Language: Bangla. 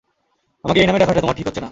আমাকে এই নামে ডাকাটা তোমার ঠিক হচ্ছে না।